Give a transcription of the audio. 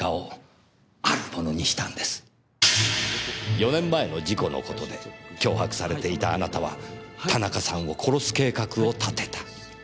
４年前の事故の事で脅迫されていたあなたは田中さんを殺す計画を立てた。